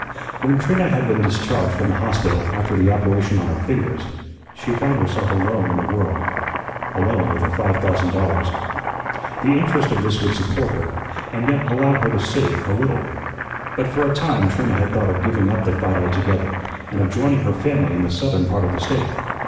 When Trina had been discharged from the hospital after the operation on her fingers, she found herself alone in the world, alone with her five thousand dollars. The interest of this would support her, and yet allow her to save a little. But for a time Trina had thought of giving up the fight altogether and of joining her family in the southern part of the State.